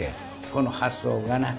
この発想がね